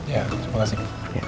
ya terima kasih